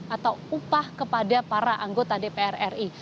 atau upah kepada para anggota dpr ri